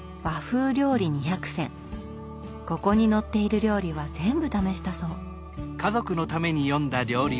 ここに載っている料理は全部試したそう。